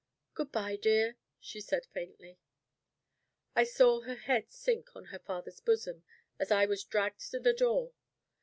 "Good by, dear," she said, faintly. I saw her head sink on her father's bosom as I was dragged to the door.